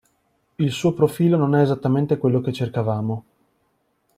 Il suo profilo non è esattamente quello che cercavamo.